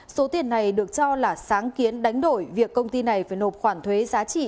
số tiền này được cho là sáng kiến đánh đổi việc công ty này phải nộp khoản thuế giá trị